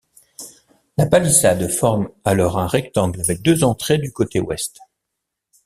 La palissade forme alors un rectangle avec deux entrées du côté ouest.